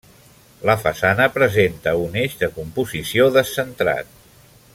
La façana presenta un eix de composició descentrat.